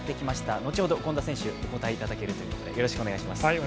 後ほど権田選手、お答えいただけるということで、よろしくお願いします。